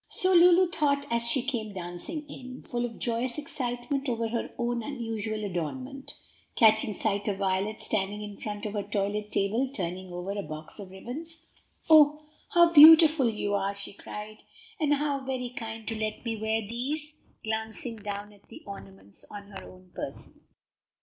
So Lulu thought as she came dancing in, full of joyous excitement over her own unusual adornment. Catching sight of Violet standing in front of her toilet table turning over a box of ribbons, "Oh, how beautiful you are!" she cried, "and how very kind to let me wear these," glancing down at the ornaments on her own person.